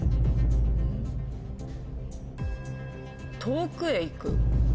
「遠くへ行く」。